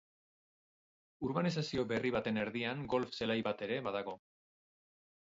Urbanizazio berri baten erdian golf zelai bat ere badago.